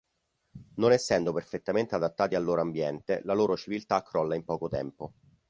Non essendo perfettamente adattati al loro ambiente, la loro civiltà crolla in poco tempo.